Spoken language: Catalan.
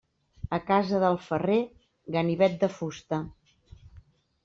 A casa del ferrer, ganivet de fusta.